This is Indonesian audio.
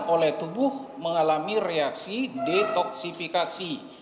oleh tubuh mengalami reaksi detoksifikasi